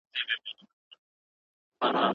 هر څېړنه یو مشخص هدف لري.